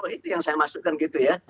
tiga puluh itu yang saya masukkan gitu ya